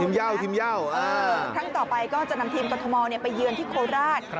ทีมย่าวทีมย่าวครั้งต่อไปก็จะนำทีมกฏธมอลไปเยือนที่โคราช